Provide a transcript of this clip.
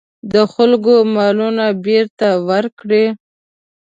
د خلکو مالونه بېرته ورکړي.